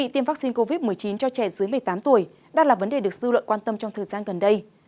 tiêm vaccine covid một mươi chín cho trẻ dưới một mươi tám tuổi đang là vấn đề được dư luận quan tâm trong thời gian gần đây